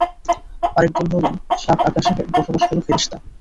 আরেক দল হলেন সাত আকাশে বসবাসকারী ফেরেশতা।